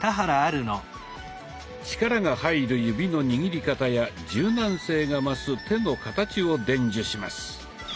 力が入る指の握り方や柔軟性が増す手の形を伝授します。